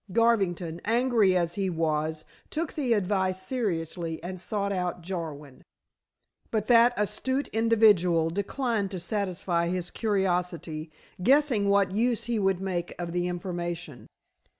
Garvington, angry as he was, took the advice seriously, and sought out Jarwin. But that astute individual declined to satisfy his curiosity, guessing what use he would make of the information.